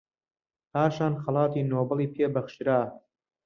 پاشان خەڵاتی نۆبێلی پێ بەخشرا